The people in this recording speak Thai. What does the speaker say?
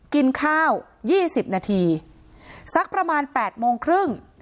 กินข้าว๒๐นาทีสักประมาณ๘โมงครึ่ง